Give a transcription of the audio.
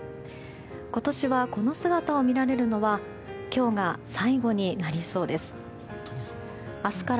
今年はこの姿を見られるのは今日が最後になりそうです。